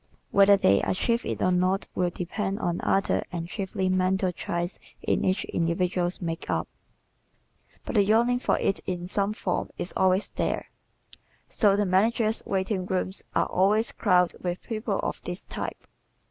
Whether they achieve it or not will depend on other, and chiefly mental, traits in each individual's makeup, but the yearning for it in some form is always there. So the managers' waiting rooms are always crowded with people of this type.